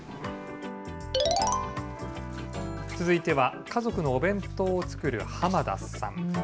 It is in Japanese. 続いては、家族のお弁当を作る浜田さん。